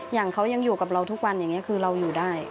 อย่างเขายังอยู่กับเราทุกวันอย่างนี้คือเราอยู่ได้